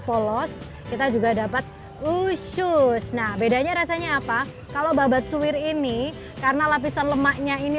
polos kita juga dapat usus nah bedanya rasanya apa kalau babat suwir ini karena lapisan lemaknya ini